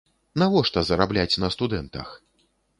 Навошта зарабляць на студэнтах?